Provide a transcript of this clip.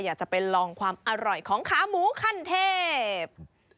อยากจะไปลองความอร่อยของขาหมูขั้นเทพ